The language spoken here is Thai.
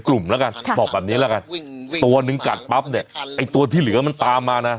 กลุ่มแล้วกันบอกแบบนี้แล้วกันตัวนึงกัดปั๊บเนี่ยไอ้ตัวที่เหลือมันตามมานะ